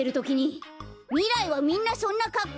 みらいはみんなそんなかっこうなの？